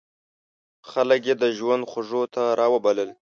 خلک یې د ژوند خوږو ته را وبلل.